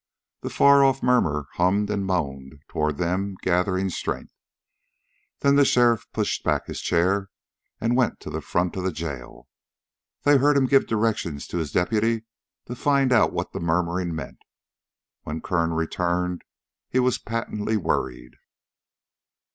The far off murmur hummed and moaned toward them, gathering strength. Then the sheriff pushed back his chair and went to the front of the jail. They heard him give directions to his deputy to find out what the murmuring meant. When Kern returned he was patently worried.